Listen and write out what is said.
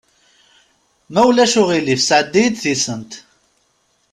Ma ulac aɣilif sɛeddi-yi-d tisent.